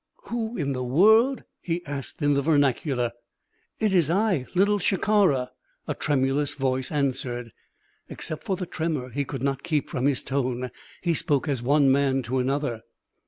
"Who in the world?" he asked in the vernacular. "It is I Little Shikara," a tremulous voice answered. Except for the tremor he could not keep from his tone, he spoke as one man to another.